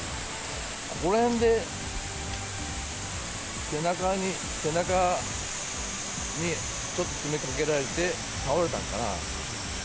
ここら辺で、背中にちょっと爪かけられて、倒れたんかな。